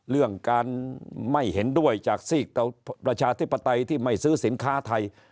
เรื่องการไม่เห็นด้วยจากซีกประชาธิปไตยที่ไม่ซื้อสินค้าไทย